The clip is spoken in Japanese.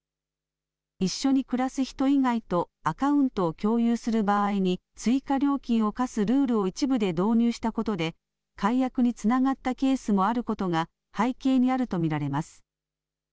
一緒に暮らす人以外とアカウントを共有する場合に追加料金を課すルールを一部で導入したことで解約につながったケースもあることが背景にあると見られます。